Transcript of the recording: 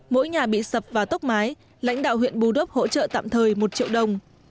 mỗi nhà bị sập và tốc mái lãnh đạo huyện bù đốp hỗ trợ tạm thời một triệu đồng